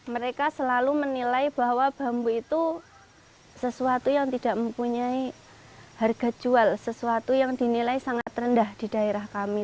mereka selalu menilai bahwa bambu itu sesuatu yang tidak mempunyai harga jual sesuatu yang dinilai sangat rendah di daerah kami